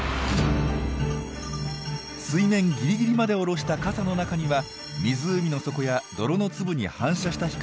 水面ギリギリまで下ろした傘の中には湖の底や泥の粒に反射した光しか入ってきません。